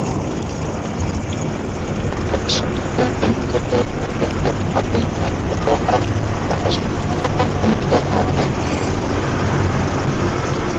একই সাথে, উন্নত দেশগুলোতে আবাদি জমির ব্যবহার হ্রাস অব্যাহত থাকবে।